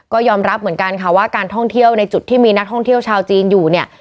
ก็ยอมรับเหมือนกันค่ะว่าการท่องเที่ยวในจุดที่มีนักท่องเที่ยวชาวจีนอยู่เนี่ย